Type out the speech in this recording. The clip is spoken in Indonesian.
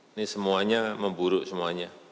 ini semuanya memburuk semuanya